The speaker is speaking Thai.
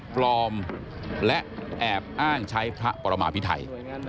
ปลอมและแอบอ้างใช้พระปรมาพิไทย